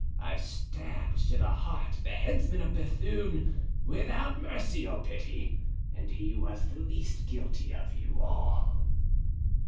I stabbed to the heart the headsman of Bethune, without mercy or pity, and he was the least guilty of you all."